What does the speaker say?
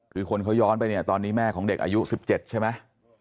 คือคนเขาย้อนไปเนี่ยตอนนี้แม่ของเด็กอายุ๑๗ใช่ไหม